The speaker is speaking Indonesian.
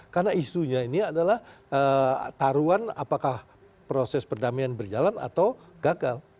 karena isunya ini adalah taruhan apakah proses perdamaian berjalan atau gagal